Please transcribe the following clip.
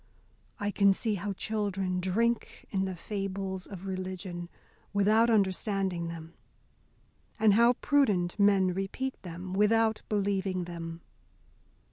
I can see how children drink in the fables of religion, without understanding them, and how prudent men repeat them without believing them.